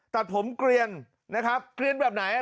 ตัดผมเกลียนนะครับเกลียนแบบไหน